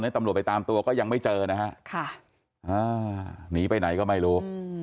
ตำรวจไปตามตัวก็ยังไม่เจอนะฮะหนีไปไหนก็ไม่รู้